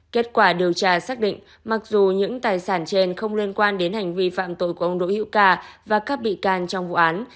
kết quả điều tra xác định mặc dù những tài sản trên không liên quan đến hành vi phạm tội của ông đỗ hữu ca và các bị can trong vụ án